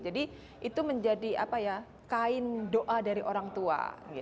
jadi itu menjadi kain doa dari orang tua